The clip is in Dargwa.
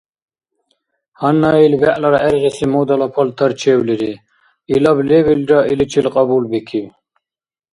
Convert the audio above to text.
Гьанна ил бегӀлара гӀергъиси модала палтарчевлири — илаб лебилра иличил кьабулбикиб.